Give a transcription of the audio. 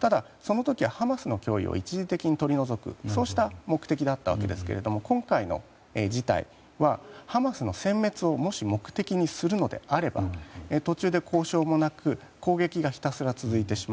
ただ、その時はハマスの脅威を一時的に取り除くそうした目的だったわけですが今回の事態はハマスの殲滅をもし、目的にするのであれば途中で交渉もなく攻撃がひたすら続いてしまう。